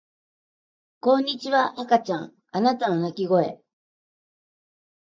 こんにちは赤ちゃんあなたの泣き声